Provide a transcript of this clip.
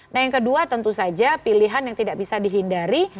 nah yang kedua tentu saja pilihan yang tidak bisa dihindari